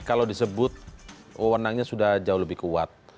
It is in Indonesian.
kalau disebut wawonannya sudah jauh lebih kuat